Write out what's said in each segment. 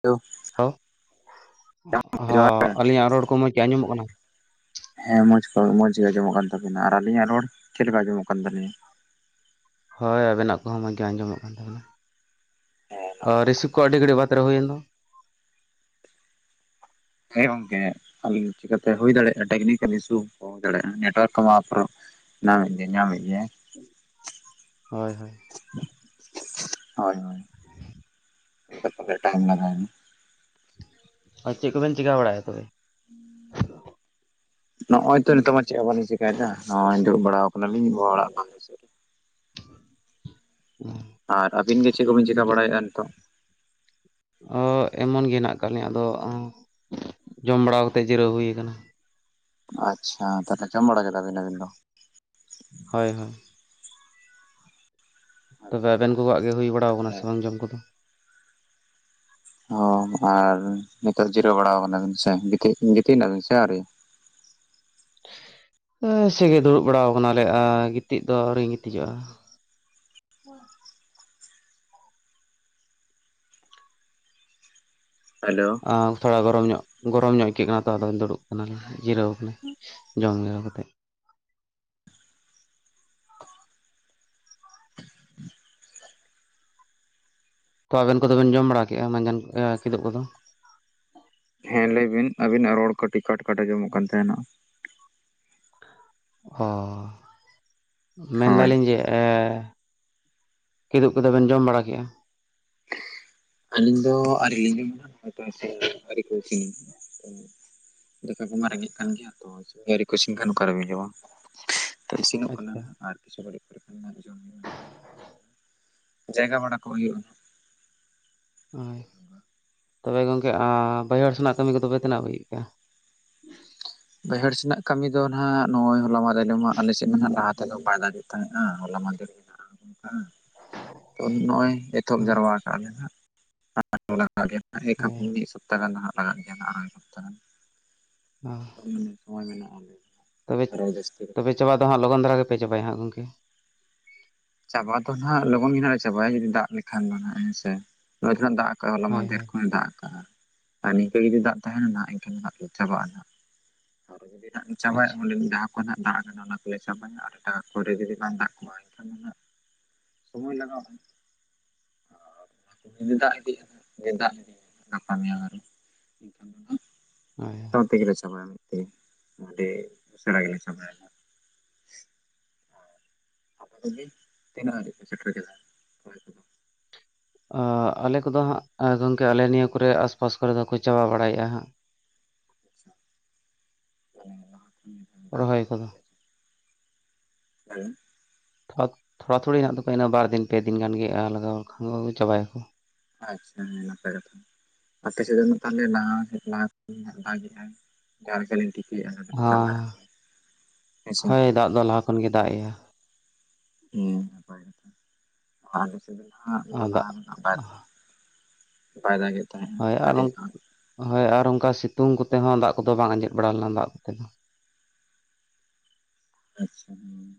Hello hello ᱡᱚᱦᱟᱨ ᱜᱮ ᱦᱚᱸ ᱟᱹᱞᱤᱧᱟᱜ ᱨᱚᱲ ᱠᱚ ᱢᱚᱡᱽ ᱟᱸᱡᱚᱢᱚᱜ ᱠᱟᱱᱟ? ᱦᱮᱸ ᱢᱚᱸᱡᱽ ᱠᱚ ᱢᱚᱸᱡᱽ ᱜᱮ ᱟᱸᱡᱚᱢᱚᱜ ᱠᱟᱱ ᱛᱟᱹᱵᱤᱱᱟ ᱟᱨ ᱟᱹᱞᱤᱧᱟᱜ ᱨᱚᱲ ᱪᱮᱫ ᱞᱮᱠᱟ ᱟᱸᱡᱚᱢᱚᱜ ᱠᱟᱱ ᱛᱟᱹᱞᱤᱧᱟ? ᱦᱳᱭ ᱟᱵᱮᱱᱟᱜ ᱠᱚᱦᱚᱸ ᱢᱚᱡᱽ ᱜᱮ ᱟᱸᱡᱚᱢᱚᱜ ᱠᱟᱱ ᱛᱟᱵᱚᱱᱟ ᱦᱮᱸ ᱚ ᱱᱟᱯᱟᱭ ᱜᱮ᱾ ᱨᱤᱥᱤᱵᱷ ᱠᱚ ᱟᱹᱰᱤ ᱜᱷᱟᱹᱲᱤᱡ ᱵᱟᱫᱽᱨᱮ ᱦᱩᱭᱮᱱ ᱫᱚ, ᱦᱮᱸ ᱜᱚᱝᱠᱮ ᱟᱞᱤ ᱪᱤᱠᱟᱛᱮ ᱦᱩᱭ ᱫᱟᱲᱮᱭᱟᱜᱼᱟ ᱴᱮᱠᱱᱤᱠᱮᱞ ᱤᱥᱩ ᱫᱟᱲᱮᱭᱟᱜᱼᱟ ᱱᱮᱴᱚᱣᱟᱨᱠ ᱢᱟ ᱯᱨᱳ ᱧᱟᱢᱮᱫ ᱜᱮ ᱧᱟᱢᱮᱫ ᱜᱮᱭᱟ᱾ ᱦᱳᱭ ᱦᱳᱭ ᱦᱳᱭ ᱦᱳᱭ ᱴᱟᱭᱤᱢ [unintelligible] ᱟᱨ ᱪᱮᱫ ᱠᱚᱵᱮᱱ ᱪᱤᱠᱟᱹ ᱵᱟᱲᱟᱭᱮᱜ-ᱟ ᱛᱚᱵᱮ? ᱱᱚᱜ ᱚᱭ ᱛᱚ ᱱᱤᱛᱚᱜ ᱢᱟ ᱪᱮᱫ ᱦᱚᱸ ᱵᱟᱞᱤᱧ ᱪᱤᱠᱟᱭᱮᱫᱟ ᱱᱚᱜᱼᱚᱭ ᱫᱩᱲᱩᱵ ᱵᱟᱲᱟᱣ ᱟᱠᱟᱱᱟᱞᱤᱧ ᱜᱚᱦᱚ ᱚᱲᱟᱜᱼᱼ ᱟᱨ ᱟᱹᱵᱤᱱ ᱜᱮ ᱪᱮᱫ ᱠᱚᱵᱤᱱ ᱪᱤᱠᱟ ᱵᱟᱲᱟᱭᱮᱜᱼᱟ ᱱᱤᱛᱚᱜ? ᱚ ᱮᱢᱚᱱ ᱜᱮ ᱦᱮᱱᱟᱜ ᱟᱠᱟᱫ ᱞᱤᱧᱟᱹ ᱟᱫᱚ ᱡᱚᱢ ᱵᱟᱲᱟ ᱠᱟᱛᱮᱫ ᱡᱤᱨᱟᱹᱣ ᱦᱩᱭ ᱟᱠᱟᱱᱟ᱾ ᱟᱪᱪᱷᱟ ᱛᱟᱦᱚᱞᱮ ᱡᱚᱢ ᱵᱟᱲᱟ ᱠᱮᱫᱟ ᱵᱤᱱ ᱟᱵᱤᱱ ᱫᱚ ᱾ ᱦᱳᱭ ᱦᱳᱭ᱾ ᱛᱚᱵᱮ ᱟᱵᱮᱱ ᱠᱚᱣᱟᱜ ᱜᱮ ᱦᱩᱭ ᱵᱟᱲᱟᱣ ᱠᱟᱱᱟ ᱥᱮ ᱦᱮᱸ ᱵᱟᱝ ᱡᱚᱢ ᱠᱚᱫᱚ᱾ ᱚ ᱟᱨ ᱱᱤᱛᱟᱨ ᱡᱤᱨᱟᱹᱣ ᱵᱟᱲᱟ ᱠᱟᱱᱟᱵᱤᱱ ᱥᱮ ᱜᱤᱛᱤᱡ ᱜᱤᱛᱤᱡᱱᱟᱵᱤᱱ ᱥᱮ ᱟᱣᱨᱤ? ᱥᱮᱜᱮ ᱫᱩᱲᱩᱵ ᱵᱟᱲᱟᱣ ᱠᱟᱱᱟᱞᱮ ᱟᱨ ᱜᱤᱛᱤᱡ ᱫᱚ ᱟᱹᱣᱨᱤᱧ ᱜᱤᱛᱤᱡᱚᱜᱼᱟ᱾ ᱦᱮᱞᱳ᱾ ᱛᱷᱚᱲᱟ ᱜᱚᱨᱚᱢ ᱧᱚᱜ ᱜᱚᱨᱚᱢ ᱧᱚᱜ ᱟᱹᱭᱠᱟᱹᱜ ᱠᱟᱱᱟ ᱛᱚ ᱟᱫᱚ ᱫᱩᱲᱩᱵ ᱠᱟᱱᱟᱞᱤᱧ ᱡᱤᱨᱟᱹᱣ ᱠᱟᱱᱟ ᱡᱚᱢ [unintelligible] ᱠᱟᱛᱮ [unintelligible] ᱛᱚ ᱟᱵᱤᱱ ᱠᱚᱫᱚᱵᱮᱱ ᱡᱚᱢ ᱵᱟᱲᱟ ᱠᱮᱜᱼᱟ ᱢᱟᱡᱟᱱ ᱠᱤᱫᱩᱵ ᱠᱚᱫᱚ? ᱦᱮᱸ ᱞᱟᱹᱭ ᱵᱤᱱ ᱟᱵᱤᱱᱟᱜ ᱨᱚᱲ ᱠᱟᱹᱴᱤᱡ ᱠᱟᱴ ᱠᱟᱴ ᱟᱡᱚᱢᱚᱜ ᱠᱟᱱ ᱛᱟᱦᱮᱱᱟ᱾ ᱦᱚ ᱦᱳᱭ ᱢᱮᱱᱫᱟᱞᱤᱧ ᱡᱮᱼᱼ ᱮᱻ ᱠᱤᱫᱩᱵ ᱠᱚᱫᱚ ᱵᱮᱱ ᱡᱚᱢ ᱵᱟᱲᱟ ᱠᱮᱫᱟ? ᱟᱹᱞᱤᱧ ᱫᱚ ᱟᱹᱣᱨᱤ ᱞᱤᱧ [inaudible] ᱟᱹᱨᱤ ᱠᱚ ᱤᱥᱤᱱᱟ ᱫᱟᱠᱟ ᱠᱚᱢᱟ ᱨᱮᱸᱜᱮᱡ ᱠᱟᱱ ᱜᱮᱭᱟ ᱛᱚ ᱤᱥᱤᱱ ᱜᱮ ᱟᱣᱨᱤ ᱠᱚ ᱤᱥᱤᱱ ᱠᱷᱟᱱ ᱚᱠᱟᱨᱮ ᱵᱮᱱ ᱡᱚᱢᱟ᱾ ᱤᱥᱤᱱᱚᱜ ᱠᱟᱱᱟ ᱟᱪᱪᱷᱟ ᱟᱨ ᱠᱤᱪᱷᱩ ᱜᱷᱟᱹᱲᱤᱡ ᱯᱚᱨᱮ ᱠᱷᱟᱱ ᱜᱮ ᱡᱚᱢᱼᱼ ᱡᱟᱭᱜᱟ ᱵᱟᱲᱟ ᱠᱚᱜ ᱦᱳᱭᱳᱜᱼᱟ᱾ ᱦᱳᱭ ᱛᱚᱵᱮ ᱜᱚᱢᱠᱮ ᱵᱟᱹᱭᱦᱟᱹᱲ ᱥᱮᱱᱟᱜ ᱠᱟᱹᱢᱤ ᱠᱚᱫᱚᱯᱮ ᱛᱤᱱᱟᱹᱜ ᱵᱤᱜ ᱠᱟᱜᱼᱟ? ᱵᱟᱹᱭᱦᱟᱹᱲ ᱥᱮᱱᱟᱜ ᱠᱟᱹᱢᱤ ᱫᱚ ᱱᱟᱦᱟᱜ ᱱᱚᱜᱼᱚᱭ ᱦᱚᱞᱟᱢᱟ ᱨᱟᱞᱮ ᱢᱟ ᱟᱞᱮᱥᱮᱫ ᱢᱟᱱᱟᱜ ᱫᱟ ᱛᱮᱫ ᱫᱚ ᱵᱟᱭ ᱫᱟᱜ ᱜᱮᱜᱼᱟ᱾ ᱛᱟᱦᱮᱸᱱᱟ ᱦᱚᱞᱟ ᱢᱟᱦᱫᱮᱨ [inaudible] ᱛᱚ ᱱᱚᱜᱼᱚᱭ ᱮᱛᱚᱦᱚᱵ ᱦᱳᱭ ᱡᱟᱨᱟᱣᱟ ᱠᱟᱜ ᱞᱮ ᱦᱟᱸᱜ᱾ ᱞᱟᱜᱟᱜ ᱜᱮᱭᱟ ᱢᱤᱫ ᱥᱚᱯᱛᱟᱦ ᱜᱟᱱ ᱫᱚ ᱞᱟᱜᱟᱜ ᱜᱮᱭᱟ ᱟᱨ [inaudible] ᱚ [inaudible] ᱢᱟᱱᱮ ᱥᱚᱢᱚᱭ ᱢᱮᱱᱟᱜᱼᱟ᱾ ᱛᱚᱵᱮ ᱟᱨᱚ ᱡᱟᱹᱥᱛᱤ ᱫᱚ᱾ ᱛᱚᱵᱮ ᱪᱟᱵᱟ ᱫᱚ ᱦᱟᱸᱜ ᱞᱚᱜᱚᱱ ᱫᱷᱟᱨᱟ ᱜᱮᱯᱮ ᱪᱟᱵᱟᱭᱟ ᱦᱟᱸᱜ ᱜᱚᱢᱠᱮ? ᱪᱟᱵᱟ ᱫᱚ ᱱᱟᱦᱟᱜ ᱞᱚᱜᱚᱱ ᱜᱮ ᱱᱟᱦᱟᱜ ᱞᱮ ᱪᱟᱵᱟᱭᱟ ᱡᱩᱫᱤ ᱫᱟᱜ ᱞᱮᱠᱷᱟᱱ ᱫᱚᱱᱟᱦᱟᱜ ᱦᱮᱸᱥᱮ᱾ ᱫᱟᱜ ᱠᱟᱜ-ᱟ ᱦᱚᱞᱟ ᱦᱳᱭ ᱢᱟᱦᱮᱫᱮᱨ ᱦᱳᱭ ᱠᱷᱚᱱ ᱫᱟᱜ ᱠᱟᱜ-ᱟ᱾ ᱟᱨ ᱱᱤᱝᱠᱟᱹ ᱡᱩᱫᱤ ᱫᱟᱜ ᱛᱟᱦᱮᱱᱟ ᱦᱟᱸᱜᱠᱷᱟᱡ ᱮᱱᱠᱷᱟᱱ ᱫᱚ ᱱᱟᱦᱟᱜ ᱪᱟᱵᱟᱜᱼᱟ ᱱᱟᱜ ᱟᱨᱚ ᱡᱩᱫᱤ ᱱᱟᱦᱟᱜ ᱪᱟᱵᱟᱭᱼᱟ ᱟᱪᱪᱷᱟ ᱚᱸᱰᱮ ᱡᱟᱦᱟᱸᱼᱼ ᱠᱚ ᱱᱟᱦᱟᱜ ᱫᱟᱜ ᱠᱟᱱᱟ ᱚᱱᱟ ᱠᱚᱞᱮ ᱪᱟᱵᱟᱭᱟ ᱟᱨ ᱴᱟᱜ ᱵᱟᱝ ᱠᱚᱨᱮ ᱡᱩᱫᱤ ᱵᱟᱝ ᱫᱟᱜ ᱠᱚᱜᱼᱟ ᱮᱱᱠᱷᱟᱱ ᱫᱚ ᱱᱟᱦᱟᱜ᱾ ᱥᱚᱢᱚᱭ ᱞᱟᱜᱟᱣᱚᱜ-ᱟ᱾ ᱫᱟᱜ ᱤᱫᱤᱜᱼᱟ ᱫᱟᱜ ᱤᱫᱤᱭ ᱜᱟᱯᱟ ᱢᱮᱭᱟᱝ ᱟᱨᱚ ᱮᱱᱠᱷᱟᱱ ᱫᱚ ᱱᱟᱦᱟᱸᱜ᱾ ᱦᱳᱭ᱾ ᱥᱟᱶᱛᱮᱜᱮᱞᱮ ᱪᱟᱵᱟᱭᱟ ᱢᱤᱫᱛᱮ ᱟᱹᱰᱤ ᱩᱥᱟᱹᱨᱟ ᱜᱮᱞᱮ ᱪᱟᱵᱟᱭᱟ᱾ ᱟᱯᱮ ᱫᱚ ᱱᱤᱛ ᱛᱤᱱᱟᱹᱜ ᱦᱟᱨᱤᱡ ᱯᱮ‌ᱥᱮᱴᱮᱨ ᱠᱮᱫᱟ᱾ ᱨᱚᱦᱚᱭ ᱠᱚᱫᱚ ᱟᱞᱮ ᱠᱚᱫᱚ ᱦᱟᱸᱜ ᱜᱚᱢᱠᱮ ᱟᱞᱮ ᱱᱤᱭᱟᱹ ᱠᱚᱨᱮ ᱟᱥᱯᱟᱥ ᱠᱚᱨᱮ ᱫᱚᱠᱚ ᱪᱟᱵᱟ ᱵᱟᱲᱟᱭᱮᱜᱼᱟ ᱦᱟᱸᱜ᱾ ᱟᱪᱪᱷᱟ [unintelligible] ᱫᱟᱜ ᱮᱜᱼᱟ ᱨᱚᱦᱚᱭ ᱠᱚᱫᱚ᱾ ᱦᱮᱸᱼᱼ ᱛᱷᱚᱲ ᱛᱷᱚᱲᱟ ᱛᱷᱚᱲᱤ ᱦᱮᱱᱟᱜ ᱫᱚᱠᱚ ᱤᱱᱟ ᱵᱟᱨ ᱫᱤᱱ ᱯᱮ ᱫᱤᱱ ᱜᱟᱱᱜᱮ ᱞᱟᱜᱟᱣ ᱞᱮᱠᱷᱟᱱ ᱪᱟᱵᱟᱭᱟᱠᱚ᱾ ᱟᱪᱪᱷᱟ ᱦᱮ ᱱᱟᱯᱟᱭ ᱠᱟᱛᱷᱟ ᱟᱥᱮ ᱪᱮᱫ ᱨᱮᱱ ᱛᱟᱦᱚᱞᱮ ᱞᱟᱦᱟ ᱞᱟᱦᱟ [inaudible] ᱜᱟᱱ ᱪᱟᱞᱤᱱᱴᱤ [inaudible] ᱦᱮᱸ ᱦᱮᱸᱥᱮ ᱦᱳᱭ ᱫᱟᱜ ᱫᱚ ᱞᱟᱦᱟ ᱠᱷᱚᱱ ᱜᱮ ᱫᱟᱜ ᱮᱭᱟ᱾ ᱦᱮᱸ ᱱᱟᱯᱟᱭ ᱠᱟᱛᱷᱟᱪ ᱚᱱᱟ ᱟᱨ ᱫᱟᱜ ᱨᱮᱱᱟᱜ ᱵᱟᱭ [inaudible] ᱵᱟᱭ ᱫᱟᱜᱮᱫ ᱛᱟᱦᱮᱸᱫ᱾ ᱦᱳᱭ ᱟᱨ ᱦᱳᱭ ᱟᱨ ᱚᱱᱠᱟ ᱥᱤᱛᱩᱝ ᱠᱚᱛᱮ ᱦᱚᱸ ᱫᱟᱜ ᱠᱚᱫᱚ ᱵᱟᱝ ᱟᱸᱡᱮᱫ ᱵᱟᱲᱟ ᱞᱮᱱᱟ ᱫᱟᱜ ᱠᱚᱛᱮ ᱫᱚ᱾ ᱟᱪᱪᱷᱟ ᱦᱩᱸ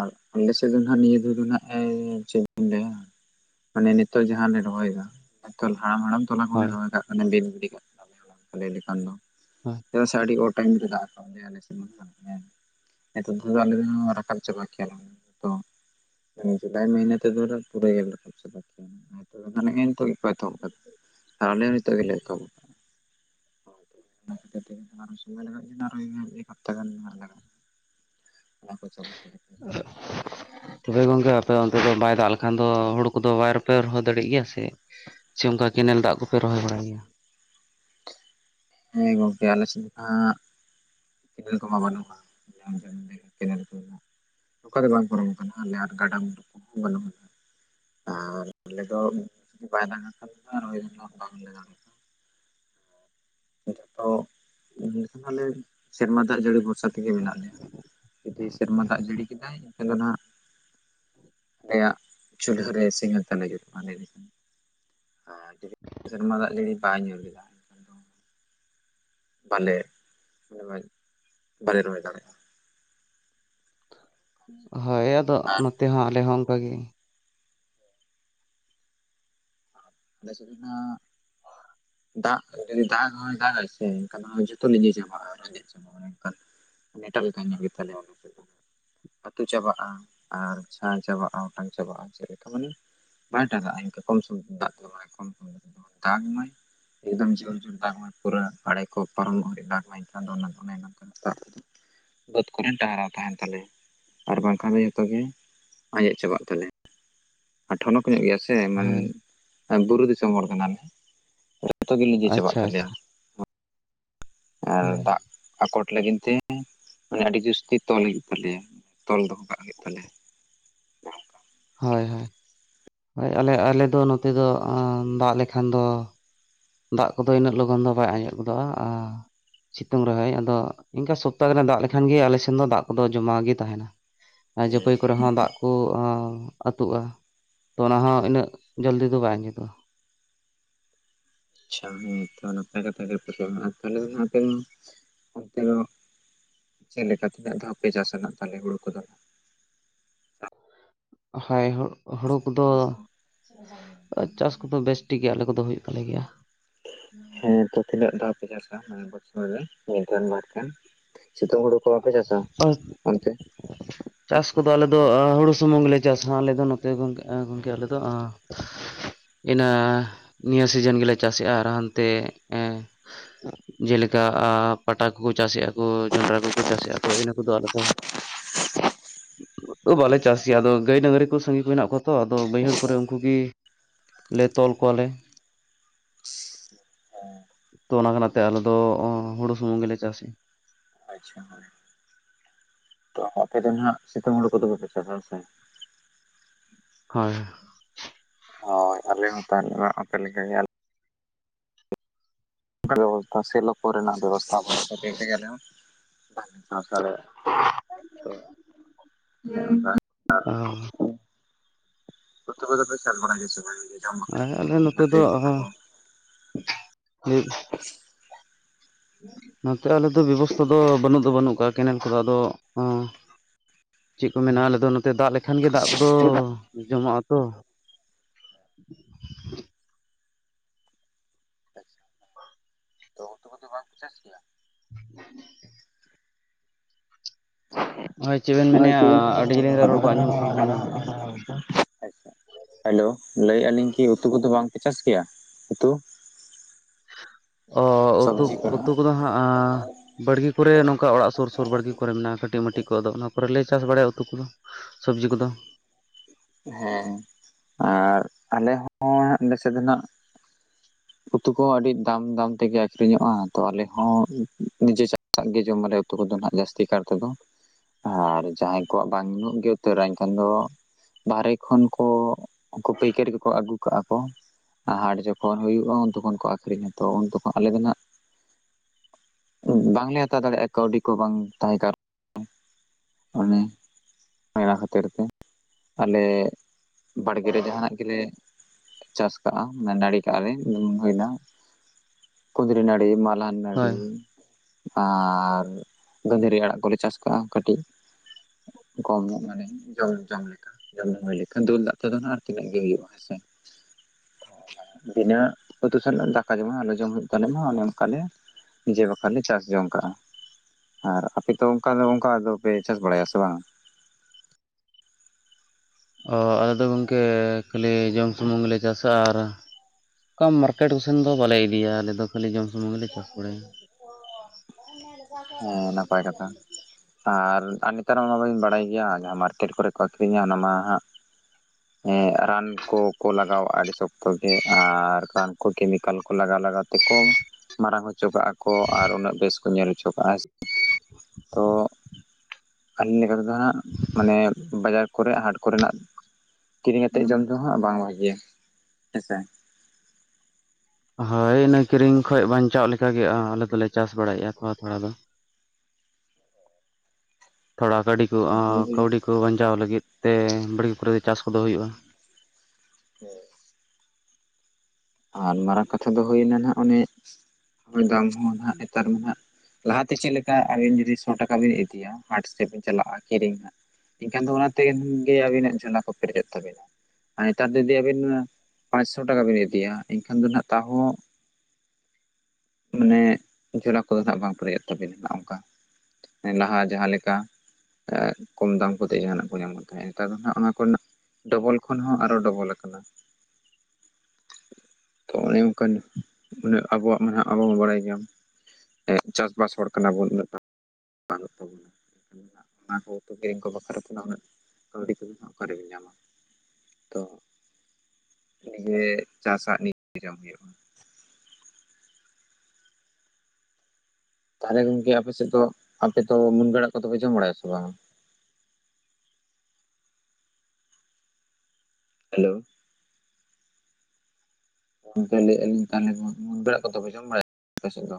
ᱟᱨ ᱟᱞᱮᱥᱮᱜ ᱫᱚ ᱱᱟᱦᱟᱜ ᱱᱤᱭᱟᱹᱫᱚᱫᱚ ᱱᱟᱦᱟᱜ ᱮᱸ ᱪᱮᱜ ᱤᱧ ᱞᱟᱹᱭᱟ? ᱢᱟᱱᱮ ᱱᱤᱛᱚᱜ ᱡᱟᱦᱟᱸ ᱞᱮ ᱨᱚᱦᱚᱭᱫᱟ ᱮᱠᱟᱞ ᱦᱟᱲᱟᱢ ᱦᱟᱲᱟᱢ ᱛᱚᱞᱟ ᱠᱚᱞᱮ ᱦᱳᱭ ᱨᱚᱦᱚᱭ ᱠᱟᱜ ᱠᱟᱱᱟ ᱵᱮᱫ ᱜᱤᱰᱤ ᱠᱟᱜ ᱠᱟᱱᱟᱞ ᱚᱱᱟ ᱞᱟᱹᱭ ᱞᱮᱠᱷᱟᱱ ᱫᱚ ᱦᱳᱭ ᱪᱮᱫᱟᱜ ᱥᱮ ᱟᱹᱰᱤ ᱚ ᱴᱟᱭᱤᱢ ᱨᱮ ᱫᱟᱜ [unintelligible] ᱪᱟᱵᱟ ᱠᱮᱭᱟᱞᱮ ᱛᱚ [unintelligible] [unintelligible] ᱱᱮᱜᱼᱮ ᱱᱤᱛᱚᱜ ᱜᱮᱠᱚ ᱮᱛᱚᱦᱚᱵ ᱠᱟᱫᱟ ᱟᱨ ᱟᱞᱮ ᱦᱚᱸ ᱱᱤᱛᱚᱜ ᱜᱮᱞᱮ ᱮᱛᱚᱦᱚᱵ ᱟᱠᱟᱫᱟ ᱚᱱᱟ ᱠᱷᱟᱹᱛᱤᱨ [unintelligible] ᱚᱱᱟ ᱠᱚ [unintelligible] [inaudible] ᱛᱚᱵᱮ ᱜᱚᱝᱠᱮ ᱟᱯᱮ ᱚᱱᱛᱮ ᱫᱚ ᱵᱟᱭ ᱫᱟᱜ ᱞᱮᱠᱷᱟᱱ ᱫᱚ ᱦᱩᱲᱩ ᱠᱚᱫᱚ ᱵᱟᱭ ᱨᱚᱯᱮ ᱨᱚᱦᱚᱭ ᱫᱟᱲᱮᱜ ᱜᱮᱭᱟ ᱥᱮ ᱥᱮ ᱚᱝᱠᱟ ᱠᱮᱱᱮᱞ ᱫᱟᱜ ᱠᱚᱯᱮ ᱨᱚᱦᱚᱭ ᱵᱟᱲᱟᱭ ᱜᱮᱭᱟ? ᱦᱮᱸ ᱜᱚᱝᱠᱮ ᱟᱞᱮ ᱥᱮᱫ ᱫᱚᱦᱟᱸᱜ [unintelligible] ᱚᱠᱟ ᱫᱚ ᱵᱟᱝ ᱯᱟᱨᱚᱢ ᱠᱟᱱᱟ ᱟᱞᱮ ᱟᱨ ᱜᱟᱰᱟ ᱢᱩᱰ ᱠᱚᱦᱚ ᱟᱨ ᱟᱞᱮ ᱫᱚ ᱵᱟᱭ ᱫᱟᱜ [unintelligible] ᱡᱚᱛᱚ [unintelligible] ᱥᱮᱨᱢᱟ ᱫᱟᱜ ᱡᱟᱹᱲᱤ ᱵᱷᱚᱨᱥᱟ ᱛᱮᱜᱮ ᱢᱮᱱᱟᱜ ᱞᱮᱭᱟ᱾ ᱡᱩᱫᱤ ᱥᱮᱨᱢᱟ ᱫᱟᱜ ᱡᱟᱹᱲᱤ ᱠᱮᱫᱟᱭ ᱟᱫᱚ ᱱᱟᱦᱟᱜ ᱟᱞᱮᱭᱟᱜ ᱪᱩᱞᱦᱟᱹ ᱨᱮ ᱥᱤᱸᱜ ᱛᱟᱞᱮ ᱡᱩᱞᱩᱜᱼᱟ᱾ ᱟᱨ ᱡᱩᱫᱤ ᱥᱮᱨᱢᱟ ᱫᱟᱜ ᱡᱟᱹᱲᱤ ᱵᱟᱭ ᱧᱩᱨ ᱞᱮᱫᱟ ᱮᱱᱠᱷᱟᱱ ᱫᱚ ᱵᱟᱞᱮ [inaudible] ᱵᱟᱞᱮ ᱨᱚᱦᱚᱭ ᱫᱟᱲᱮᱭᱟᱜᱼᱟ᱾ ᱦᱳᱭ ᱟᱫᱚ ᱱᱚᱛᱮ ᱦᱚᱸ ᱟᱞᱮ ᱦᱚᱸ ᱚᱝᱠᱟᱜᱮ᱾ [inaudible] ᱫᱟᱜ ᱡᱩᱫᱤ ᱫᱟᱜ [inaudible] ᱫᱟᱜᱟᱭ ᱥᱮ ᱮᱱᱠᱷᱟᱱ ᱡᱚᱛᱚ ᱞᱤᱧᱡᱤ ᱪᱟᱵᱟᱜᱼᱟ [inaudible] [inaudible] ᱮᱴᱟᱜ ᱞᱮᱠᱟ ᱧᱚᱜ ᱜᱮ ᱛᱟᱞᱮ᱾ ᱟᱹᱛᱩ ᱪᱟᱵᱟᱜᱼᱟ, ᱟᱨ ᱥᱟᱨ ᱪᱟᱵᱟᱜᱼᱟ, ᱚᱴᱟᱝ ᱪᱟᱵᱟᱜᱼᱟ ᱪᱮᱫ ᱞᱮᱠᱟ ᱢᱟᱱᱮ ᱵᱟᱭ ᱴᱟᱸᱜᱟᱜ [inaudible] ᱫᱟᱜ ᱢᱟᱭ ᱮᱠᱫᱚᱢ ᱡᱷᱚᱨ ᱡᱷᱚᱨ ᱫᱟᱜᱽ ᱢᱟᱭ ᱯᱩᱨᱟᱹ ᱟᱲᱮ ᱠᱚ ᱯᱟᱨᱚᱢ [inaudible] ᱫᱟᱜᱽ ᱮᱱᱠᱷᱟᱱ ᱫᱚ ᱚᱱᱟ ᱫᱚ [inaudible] ᱵᱟᱹᱫᱽ ᱠᱚᱨᱮ ᱴᱟᱦᱟᱨᱟᱣ ᱛᱟᱦᱮᱱ ᱛᱟᱞᱮᱭᱟ᱾ ᱟᱨ ᱵᱟᱝᱠᱷᱟᱱ ᱫᱚ ᱡᱷᱚᱛᱚ ᱜᱮ ᱟᱸᱡᱮᱫ ᱪᱟᱵᱟᱜ ᱛᱟᱞᱮᱭᱟ᱾ ᱟᱨ ᱴᱷᱚᱱᱚᱠ ᱠᱚ ᱧᱚᱜ ᱜᱮᱭᱟ ᱥᱮ ᱢᱤᱫ ᱦᱳᱭ ᱮᱸ ᱵᱩᱨᱩ ᱫᱤᱥᱚᱢ ᱦᱚᱲ ᱠᱟᱱᱟᱞᱮ᱾ ᱡᱚᱛᱚᱜ ᱜᱮ ᱞᱤᱸᱡᱮ ᱪᱟᱵᱟᱜ ᱟᱪᱪᱷᱟ ᱛᱟᱞᱮᱭᱟ᱾ ᱟᱪᱪᱷᱟ ᱟᱨ ᱦᱳᱭ ᱫᱟᱜ ᱟᱠᱚᱴ ᱞᱟᱹᱜᱤᱫ ᱛᱮ ᱢᱟᱱᱮ ᱟᱹᱰᱤ ᱡᱟᱹᱥᱛᱤ ᱛᱚᱞ ᱦᱩᱭᱩᱜ ᱛᱟᱞᱮᱭᱟ᱾ ᱛᱚᱞ ᱫᱚᱦᱚ ᱠᱟᱜ ᱦᱩᱭᱩᱜ ᱛᱟᱞᱮᱭᱟ᱾ ᱦᱳᱭ ᱦᱳᱭ ᱦᱳᱭ ᱟᱞᱮ ᱟᱞᱮ ᱫᱚ ᱱᱚᱛᱮ ᱫᱚ ᱟᱸ ᱫᱟᱜ ᱞᱮᱠᱷᱟᱱ ᱫᱚ ᱫᱟᱜ ᱠᱚᱫᱚ ᱩᱱᱟᱹᱜ ᱞᱚᱜᱚᱱ ᱫᱚ ᱵᱟᱭ ᱟᱸᱡᱮᱫ ᱜᱚᱫᱚᱜᱼᱟ᱾ ᱟ ᱥᱤᱛᱩᱝ ᱨᱮᱦᱚᱭ ᱟᱫᱚ ᱤᱝᱠᱟ ᱥᱚᱯᱛᱟ ᱜᱟᱱᱮ ᱫᱟᱜ ᱞᱮᱠᱷᱟᱱ ᱜᱮ ᱟᱞᱮ ᱥᱮᱱ ᱫᱚ ᱫᱟᱜ ᱠᱚᱫᱚ ᱡᱚᱢᱟ ᱜᱮ ᱛᱟᱦᱮᱱᱟ᱾ ᱟ ᱡᱟᱹᱯᱟᱹᱭ ᱠᱚᱨᱮ ᱦᱚᱸ ᱫᱟᱜ ᱠᱚ ᱟᱸ ᱟᱹᱛᱩᱜᱼᱟ, ᱛᱚ ᱚᱱᱟ ᱦᱚᱸ ᱩᱱᱟᱹᱜ ᱡᱟᱞᱫᱤ ᱫᱚ ᱵᱟᱭ ᱟᱸᱡᱮᱛᱟᱜᱼᱟ᱾ ᱟᱪᱪᱷᱟ ᱦᱮᱸ ᱛᱚ ᱱᱟᱯᱟᱭ ᱠᱟᱛᱷᱟ ᱜᱮ [unintelligible] ᱟᱨ ᱛᱟᱦᱞᱮ ᱫᱚ ᱦᱟᱯᱮᱱ ᱚᱱᱛᱮ ᱫᱚ ᱪᱮᱜ ᱞᱮᱠᱟ ᱛᱤᱱᱟᱹᱜ ᱫᱷᱟᱯᱮ ᱪᱟᱥᱟᱱᱟᱜ ᱛᱟᱞᱮ ᱦᱩᱲᱩ ᱠᱚᱫᱚ? ᱦᱳᱭ ᱦᱳᱲᱳ ᱠᱚᱫᱚ ᱟ ᱪᱟᱥ ᱠᱚᱫᱚ ᱵᱮᱥ ᱴᱷᱤᱠ ᱜᱮᱭᱟ ᱟᱞᱮ ᱠᱚᱫᱚ ᱦᱩᱭᱩᱜ ᱛᱟᱞᱮ ᱜᱮᱭᱟ᱾ ᱦᱮᱸ ᱛᱚ ᱛᱤᱱᱟᱹᱜ ᱫᱟᱣ ᱯᱮ ᱪᱟᱥᱟ ᱢᱟᱱᱮ ᱵᱚᱪᱷᱚᱨ ᱨᱮ [inaudible] ᱥᱤᱛᱩᱝ ᱦᱩᱲᱩ [unintelligible] ᱚᱱᱛᱮ ᱪᱟᱥ ᱠᱚᱫᱚ ᱟᱞᱮ ᱫᱚ ᱦᱩᱲᱩ ᱥᱩᱢᱩᱝ ᱜᱮᱞᱮ ᱪᱟᱥᱟ ᱟᱞᱮ ᱫᱚ ᱱᱚᱛᱮ ᱜᱚᱢᱠᱮ ᱜᱚᱝᱠᱮ ᱟᱞᱮ ᱫᱚ ᱟ ᱤᱱᱟᱹ ᱱᱤᱭᱟᱹ ᱥᱤᱡᱤᱱ ᱜᱮᱞᱮ ᱪᱟᱥᱮᱜᱼᱟ ᱟᱨ ᱦᱟᱱᱛᱮ ᱮ ᱡᱮᱞᱮᱠᱟ ᱯᱟᱴᱟ ᱠᱚᱠᱚ ᱪᱟᱥᱮᱜᱼᱟ ᱠᱚ, ᱡᱚᱱᱰᱨᱟ ᱠᱚ। ᱪᱟᱥᱮᱫᱼᱟ, ᱟᱫᱚ ᱤᱱᱟᱹ ᱠᱚᱫᱚ ᱟᱞᱮ ᱫᱚ ᱵᱟᱞᱮ ᱪᱟᱥ ᱜᱮᱭᱟ ᱟᱫᱚ ᱜᱟᱹᱭ ᱰᱟᱝᱨᱤ ᱠᱚ ᱥᱟᱸᱜᱤᱧ ᱠᱚ ᱦᱮᱱᱟᱜ ᱠᱚᱣᱟ ᱛᱚ, ᱟᱫᱚ ᱵᱟᱹᱭᱦᱟᱹᱲ ᱠᱚᱨᱮ ᱩᱱᱠᱩᱜ ᱜᱮ ᱞᱮ ᱛᱚᱞ ᱠᱚᱣᱟᱞᱮ। ᱛᱚ ᱚᱱᱟ [unintelligible] ᱟᱞᱮ ᱫᱚ ᱦᱩᱲᱩ ᱥᱩᱢᱩᱝ ᱜᱮᱞᱮ ᱪᱟᱥᱟ। ᱟᱪᱪᱷᱟ ᱦᱳᱭ। ᱛᱚ ᱟᱯᱮ ᱫᱚ ᱱᱷᱟᱜ ᱥᱤᱛᱩᱝ ᱦᱩᱬᱩ ᱠᱚ ᱫᱚ ᱵᱮᱯᱮ ᱪᱟᱥᱟ ᱥᱮ? ᱦᱳᱭ᱾ ᱦᱳᱭ ᱟᱞᱮ ᱦᱚᱸ ᱛᱟᱦᱟᱞᱮ ᱢᱟ ᱟᱯᱮ ᱞᱮᱠᱟ ᱜᱮ ᱟᱞᱮ ᱵᱮᱵᱚᱥᱛᱟ ᱥᱮᱞᱚ ᱠᱚ ᱨᱮᱱᱟᱜ ᱵᱮᱵᱚᱥᱛᱷᱟ ᱵᱟᱹᱱᱩᱜ ᱠᱷᱟᱹᱛᱤᱨ ᱛᱮᱜᱮ ᱟᱞᱮ ᱦᱚᱸ ᱵᱟᱞᱮ [unintelligible] ᱪᱟᱥ ᱫᱟᱲᱮᱭᱟᱜᱼᱟ। [inaudible] ᱛᱚ ᱦᱮᱸ [unintelligible] ᱚᱻ [inaudible] ᱠᱚ ᱫᱚ ᱯᱮ ᱪᱟᱥ ᱵᱟᱲᱟᱭ ᱜᱮᱭᱟ ᱥᱮ ᱵᱟᱝ ᱜᱮ? ᱵᱟᱝᱟ ᱟᱞᱮ ᱱᱚᱛᱮ ᱫᱚ [unintelligible] ᱢᱤᱫ ᱱᱚᱛᱮ ᱟᱞᱮ ᱫᱚ ᱵᱮᱵᱚᱥᱛᱷᱟ ᱫᱚ ᱵᱟᱹᱱᱩᱜ ᱫᱚ ᱵᱟᱹᱱᱩᱜ ᱠᱟᱜᱼᱟ᱾ ᱠᱮᱱᱮᱞ ᱠᱚᱫᱚ, ᱟᱫᱚ ᱚ ᱪᱮᱫ ᱠᱚ ᱢᱮᱱᱟ ᱟᱞᱮ ᱫᱚ ᱱᱚᱛᱮ ᱫᱟᱜ ᱞᱮ ᱠᱷᱟᱱ ᱜᱮ ᱫᱟᱜ ᱠᱚᱫᱚ ᱡᱚᱢᱟᱜ ᱟᱛᱚ। ᱟᱪᱪᱷᱟ [inaudible] ᱛᱚ ᱩᱛᱩ ᱠᱚᱫᱚ ᱵᱟᱝ ᱪᱮ ᱪᱟᱥ ᱜᱮᱭᱟ? [inaudible] ᱦᱳᱭ ᱪᱮᱫ ᱵᱮᱱ ᱢᱮᱱᱮᱜᱼᱟ, ᱟᱹᱰᱤ ᱡᱤᱞᱤᱧ ᱨᱮ ᱨᱚᱲ ᱠᱚ ᱟᱸᱚᱢᱚᱜ ᱠᱟᱱ ᱛᱟᱵᱮᱱᱟ ᱜᱚᱝᱠᱮ। [inaudible] ᱟᱪᱪᱷᱟ, ᱦᱮᱞᱳ ᱞᱟᱹᱭᱼᱟ ᱞᱤᱧ ᱠᱤ ᱩᱛᱩ ᱠᱚᱫᱚ ᱵᱟᱝᱯᱮ ᱪᱟᱥ ᱜᱮᱭᱟ ᱩᱛᱩ? ᱚᱻ ᱩᱛᱩ ᱥᱚᱵᱽᱡᱤ ᱠᱚ ᱩᱛᱩ ᱠᱚᱫᱚ ᱦᱟᱸᱜᱼᱟ ᱵᱟᱲᱜᱮ ᱠᱚᱨᱮ, ᱱᱚᱝᱠᱟ ᱚᱲᱟᱜ ᱥᱩᱨ ᱥᱩᱨ ᱵᱟᱲᱜᱮ ᱠᱚᱨᱮ ᱢᱮᱱᱟᱜᱼᱟ ᱠᱟᱹᱴᱤᱡ ᱢᱟᱹᱴᱤᱡ ᱠᱚ, ᱟᱫᱚ ᱚᱱᱟ ᱠᱚᱨᱮᱞᱮ ᱪᱟᱥ ᱵᱟᱲᱟᱭᱟ ᱩᱛᱩ ᱠᱚᱫᱚ। ᱥᱚᱵᱽᱡᱤ ᱠᱚᱫᱚ। ᱦᱮᱸ ᱟᱨ ᱟᱞᱮ ᱦᱚᱸ ᱟᱞᱮ ᱥᱮᱫᱨᱮᱱᱟᱜ ᱩᱛᱩ ᱠᱚᱦᱚᱸ ᱟᱹᱰᱤ ᱫᱟᱢ ᱫᱟᱢ ᱛᱮᱜᱮ ᱟᱠᱷᱨᱤᱧᱚᱜᱼᱟ᱾ ᱛᱚ ᱟᱞᱮ ᱦᱚᱸ ᱱᱤᱡᱮ ᱪᱟ ᱠᱟᱜ ᱜᱮ ᱡᱚᱢ ᱟᱞᱮ ᱩᱛᱩ ᱠᱚᱫᱚ ᱱᱦᱟᱜ ᱡᱟᱹᱥᱛᱤ ᱠᱟᱨ ᱛᱮᱫᱚ। ᱟᱨ ᱡᱟᱦᱟᱸᱭ ᱠᱚᱣᱟᱜ ᱵᱟᱱᱩᱜ ᱜᱮ ᱩᱛᱟᱹᱨᱟ ᱮᱱᱠᱷᱟᱱ ᱫᱚ ᱵᱟᱦᱟᱨᱮ ᱠᱷᱚᱱ ᱠᱚ ᱩᱱᱠᱩ ᱯᱟᱹᱭᱠᱟᱹᱨᱤ ᱠᱚᱠᱚ ᱟᱹᱜᱩ ᱠᱟᱜᱼᱟ ᱠᱚ, ᱦᱟᱴ ᱡᱚᱠᱷᱚᱱ ᱦᱩᱭᱩᱜᱼᱟ ᱩᱱ ᱛᱚᱠᱷᱚᱱ ᱠᱚ ᱟᱠᱷᱨᱤᱧᱟ। ᱛᱚ ᱩᱱ ᱟᱞᱮ ᱫᱚ ᱱᱷᱟᱜ ᱵᱟᱝᱞᱮ ᱦᱟᱛᱟᱣ ᱫᱟᱲᱮᱭᱟᱜᱼᱟ ᱠᱟᱹᱣᱰᱤ ᱠᱚ ᱵᱟᱝ ᱛᱟᱦᱮᱸ ᱠᱟᱨᱛᱮ᱾ ᱚᱱᱮ ᱚᱱᱟ ᱠᱷᱟᱹᱛᱤᱨ ᱛᱮ, ᱟᱞᱮ ᱵᱟᱲᱜᱮ ᱨᱮ ᱡᱟᱦᱟᱱᱟᱜ ᱜᱮᱞᱮ ᱪᱟᱥ ᱠᱟᱜᱼᱟ ᱱᱟᱹᱲᱤ ᱠᱟᱜᱼᱟ ᱞᱤᱧ, ᱦᱩᱭᱱᱟ ᱠᱩᱫᱽᱨᱤ ᱱᱟᱹᱲᱤ ᱢᱟᱞᱦᱟᱱ ᱱᱟᱹᱲᱤ ᱦᱳᱭ ᱟᱨ ᱜᱟᱹᱫᱷᱟᱹᱨᱤ ᱟᱲᱟᱜ ᱠᱚᱞᱮ ᱪᱟᱥ ᱠᱟᱜᱼᱟ ᱠᱟᱹᱴᱤᱡ। ᱠᱚᱢ ᱧᱚᱜ ᱢᱟᱱᱮ ᱡᱚᱢ ᱡᱚᱢ ᱞᱮᱠᱟ। ᱡᱚᱢ ᱧᱚᱜ ᱦᱩᱭ ᱞᱮᱠᱷᱟᱱ ᱫᱩᱞ ᱫᱟᱜ ᱛᱮᱫᱚ ᱱᱷᱟᱜ ᱟᱨ ᱛᱤᱱᱟᱹᱜ ᱜᱮ ᱦᱩᱭᱩᱜᱼᱟ ᱦᱮᱸᱥᱮ। ᱵᱤᱱᱟᱹᱜ ᱩᱛᱩ ᱥᱟᱞᱟᱜ ᱫᱟᱠᱟ ᱡᱚᱢ ᱟᱞᱚ ᱡᱚᱢ ᱦᱩᱭᱩᱜ ᱛᱟᱞᱮ ᱢᱟ ᱚᱱᱮ ᱚᱱᱠᱟ ᱞᱮ ᱱᱤᱡᱮ ᱵᱟᱠᱷᱟᱱ ᱞᱮ ᱪᱟᱥ ᱡᱚᱝ ᱠᱟᱜᱼᱟ। ᱟᱨ ᱟᱯᱮ ᱛᱚ ᱚᱱᱠᱟ ᱫᱚ ᱚᱱᱠᱟ ᱫᱚᱯᱮ ᱪᱟᱥ ᱵᱟᱲᱟᱭᱟ ᱥᱮ ᱵᱟᱝᱟ? ᱚ ᱟᱞᱮᱫ ᱫᱚ ᱜᱚᱝᱠᱮ ᱠᱷᱟᱹᱞᱤ ᱡᱚᱢ ᱥᱩᱢᱩᱝ ᱜᱮᱞᱮ ᱪᱟᱥᱟ। ᱟᱨ ᱼᱼ ᱠᱟᱢ [unintelligible] ᱢᱟᱨᱠᱮᱴ ᱠᱚᱥᱮᱱ ᱫᱚ ᱵᱟᱞᱮ ᱤᱫᱤᱭᱟ, ᱟᱞᱮᱫᱚ ᱠᱷᱟᱹᱞᱤ ᱡᱚᱢ ᱥᱩᱢᱩᱝ ᱜᱮᱞᱮ ᱪᱟᱥ ᱵᱟᱲᱟᱭᱟ। [inaudible] [inaudible] ᱚᱸ ᱱᱟᱯᱟᱭ ᱠᱟᱛᱷᱟ। ᱟᱨ ᱟᱨ ᱱᱮᱛᱟᱨ ᱢᱟ [unintelligible] ᱵᱟᱲᱟᱭ ᱜᱮᱭᱟ ᱡᱟᱦᱟᱸ ᱢᱟᱨᱠᱮᱴ ᱠᱚᱨᱮ ᱠᱚ ᱟᱠᱷᱨᱤᱧᱟ ᱚᱱᱟ ᱢᱟ ᱦᱟᱸᱜ ᱼᱼ [inaudible] ᱦᱮᱸᱜ ᱨᱟᱱ ᱠᱚ ᱠᱚ ᱞᱟᱜᱟᱣᱟᱜ-ᱟ ᱟᱹᱰᱤ ᱥᱚᱠᱛᱚ ᱜᱮ ᱟᱨ ᱨᱟᱱ ᱠᱚ ᱠᱮᱢᱤᱠᱮᱞ ᱠᱚ ᱞᱟᱜᱟᱣ ᱞᱟᱜᱟᱣ ᱛᱮᱠᱚ ᱢᱟᱨᱟᱝ ᱦᱚᱪᱚ ᱠᱟᱜ-ᱟ ᱠᱚ ᱟᱨ ᱩᱱᱟᱹᱜ ᱵᱮᱥ ᱠᱚ ᱧᱮᱞ ᱦᱚᱪᱚ ᱠᱟᱜ-ᱟ ᱛᱚ ᱟᱹᱞᱤᱧ ᱞᱮᱠᱟ ᱛᱮᱫᱚ ᱦᱟᱸᱜ ᱢᱟᱱᱮ ᱵᱟᱡᱟᱨ ᱠᱚᱨᱮ ᱦᱟᱴ ᱠᱚ ᱨᱮᱱᱟᱜ ᱠᱤᱨᱤᱧ ᱟᱛᱮᱫ ᱡᱚᱢ ᱫᱚ ᱦᱟᱸᱜ ᱵᱟᱝ ᱵᱷᱟᱜᱮᱭᱟ ᱦᱮᱸᱥᱮ ᱦᱳᱭ ᱤᱱᱟᱹ ᱠᱤᱨᱤᱧ ᱠᱷᱚᱡ ᱵᱟᱧᱪᱟᱜ ᱞᱮᱠᱟ ᱜᱮ ᱟᱸ ᱟᱞᱮ ᱫᱚᱞᱮ ᱪᱟᱥ ᱵᱟᱲᱟᱭᱮᱫ-ᱟ ᱛᱷᱚᱲᱟ ᱛᱷᱚᱲᱟ ᱫᱚ ᱛᱷᱚᱲᱟ ᱠᱟᱹᱣᱰᱤ ᱠᱚ ᱟᱸ ᱠᱟᱹᱣᱰᱤ ᱠᱚ ᱵᱟᱧᱪᱟᱣ ᱞᱟᱹᱜᱤᱫ ᱛᱮ ᱵᱟᱲᱜᱤ ᱠᱚᱨᱮ ᱪᱟᱥ ᱠᱚᱫᱚ ᱦᱩᱭᱩᱜ-ᱟ᱾ [unintelligible] ᱟᱨ ᱢᱟᱨᱟᱝ ᱠᱟᱛᱷᱟ ᱫᱚ ᱦᱩᱭ ᱱᱟ ᱱᱟᱦᱟᱜ ᱚᱱᱮ ᱦᱚᱭ ᱫᱟᱢ ᱠᱚᱦᱚᱸ ᱱᱟᱦᱟᱜ ᱱᱮᱛᱟᱨ ᱢᱟ ᱱᱟᱦᱟᱜ ᱞᱟᱦᱟ ᱛᱮ ᱪᱮᱫ ᱞᱮᱠᱟ ᱟᱵᱤᱱ ᱡᱩᱫᱤ ᱥᱚ ᱴᱟᱠᱟ ᱵᱤᱱ ᱤᱫᱤᱭᱟ ᱦᱟᱴ ᱥᱮᱫ ᱵᱤᱱ ᱪᱟᱞᱟᱜ-ᱟ ᱠᱤᱨᱤᱧ ᱦᱟᱸᱜ ᱮᱱᱠᱷᱟᱱ ᱫᱚ ᱚᱱᱟ ᱛᱮᱜᱮ ᱟᱹᱵᱤᱱᱟᱜ ᱡᱷᱚᱞᱟ ᱠᱚ ᱯᱮᱨᱮᱡᱚᱜ ᱛᱟᱵᱤᱱᱟ ᱟᱨ ᱱᱮᱛᱟᱨ ᱫᱚ ᱫᱤ ᱟᱹᱵᱤᱱ ᱯᱟᱸᱪᱥᱚ ᱴᱟᱠᱟ ᱵᱤᱱ ᱤᱫᱤᱭᱟ ᱮᱱᱠᱷᱟᱱ ᱫᱚ ᱱᱟᱸᱜ ᱛᱟᱦᱚ ᱢᱟᱱᱮ ᱡᱷᱚᱞᱟ ᱠᱚᱫᱚ ᱱᱟᱦᱟᱜ ᱵᱟᱝ ᱯᱮᱨᱮᱡᱚᱜ ᱛᱟᱵᱤᱱᱟ ᱦᱟᱸᱜ ᱚᱱᱠᱟ ᱦᱮᱸ ᱱᱟᱸᱦᱟ ᱡᱟᱦᱟᱸ ᱞᱮᱠᱟ ᱮᱜ ᱠᱚᱢ ᱫᱟᱢ ᱠᱚᱛᱮ ᱡᱟᱦᱟᱱᱟᱜ ᱠᱚ ᱧᱟᱢᱚᱜ ᱛᱟᱦᱮᱸᱫ ᱱᱮᱛᱟᱨ ᱫᱚ ᱦᱟᱸᱜ ᱚᱱᱟ ᱠᱚ ᱨᱮᱱᱟᱜ ᱰᱚᱵᱚᱞ ᱠᱷᱚᱱ ᱦᱚᱸ ᱟᱨᱚ ᱰᱚᱵᱚᱞ ᱟᱠᱟᱱᱟ ᱛᱚ ᱚᱱᱮ ᱚᱱᱠᱟ ᱚᱱᱮ ᱟᱵᱚᱣᱟᱜ ᱢᱟᱦᱟᱜ ᱟᱵᱚ ᱵᱚᱱ ᱵᱟᱲᱟᱭ ᱜᱮᱭᱟᱢ ᱮᱸᱜ ᱪᱟᱥᱵᱟᱥ ᱦᱚᱲ ᱠᱟᱱᱟ ᱵᱚᱱ ᱩᱱᱟᱹᱜ ᱱᱟᱜ ᱵᱟᱹᱱᱩᱜ ᱛᱟᱵᱚᱱᱟ ᱚᱱᱟ ᱠᱳ ᱩᱛᱩ ᱜᱮᱧ ᱠᱚ ᱵᱟᱠᱷᱨᱟ ᱛᱤᱱᱟᱹᱜ ᱩᱱᱟᱹᱜ ᱠᱟᱹᱣᱰᱤ ᱠᱚ ᱦᱟᱸᱜ ᱚᱠᱟ ᱨᱮ ᱵᱤᱱ ᱧᱟᱢᱟ᱾ ᱛᱚ ᱱᱤᱡᱮ ᱪᱟᱥᱟᱜ ᱱᱤᱡ ᱡᱚᱢ ᱦᱩᱭᱩᱜᱼᱟ᱾ ᱛᱟᱞᱦᱮ ᱜᱚᱝᱠᱮ ᱟᱯᱮ ᱥᱮᱫ ᱫᱚ ᱟᱯᱮ ᱛᱚ ᱢᱩᱱᱜᱟᱹ ᱟᱲᱟᱜ ᱠᱚᱫᱚ ᱯᱮ ᱡᱚᱢ ᱵᱟᱲᱟᱭᱟ ᱥᱮ ᱵᱟᱝ? ᱦᱮᱞᱳ ᱞᱟᱹᱭᱮᱜᱼᱟ ᱞᱤᱧ ᱛᱟᱞᱦᱮ ᱢᱩᱱ ᱢᱩᱱᱜᱟᱹ ᱟᱲᱟᱜ ᱠᱚᱫᱚ ᱯᱮ ᱡᱚᱢ ᱵᱟᱲᱟᱭᱟ ᱥᱮᱫ ᱫᱚ